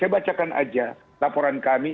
bacakan aja laporan kami